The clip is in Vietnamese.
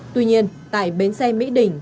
tuy nhiên tại bến xe mỹ đỉnh